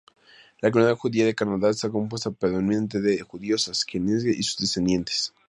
La comunidad judía de Canadá está compuesta predominantemente de judíos asquenazíes y sus descendientes.